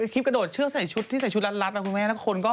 คลิปกระโดดเชือกที่ใส่ชุดลัดนะคุณแม่